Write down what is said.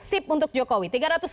sip untuk jokowi